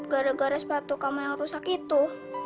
gara gara sepatu kamu yang rusak itu